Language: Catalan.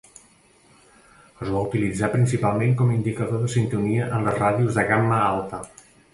Es va utilitzar principalment com a indicador de sintonia en les ràdios de gamma alta.